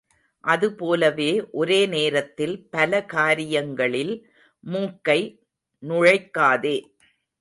அது போலவே ஒரே நேரத்தில் பல காரியங்களில் மூக்கை நுழைக்காதே.